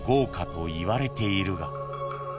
［といわれているが］